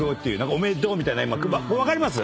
「おめでとう」みたいな分かります？